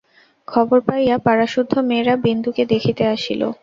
খবর পাইয়া পাড়াসুদ্ধ মেয়েরা বিন্দুকে দেখিতে আসিল।